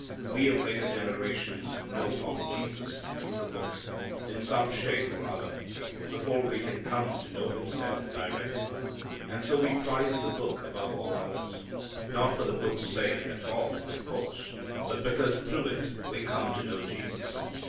We of later generations know of Jesus through the Book, in some shape or other, before we can come to know Himself direct. And so we prize the Book above all others. Not for the Book's sake, at all, of course, but because through it we come to know Jesus.